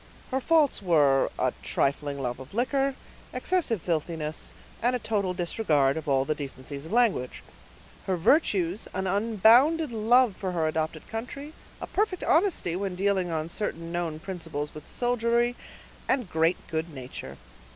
Her faults were, a trifling love of liquor, excessive filthiness, and a total disregard of all the decencies of language; her virtues, an unbounded love for her adopted country, perfect honesty when dealing on certain known principles with the soldiery, and great good nature.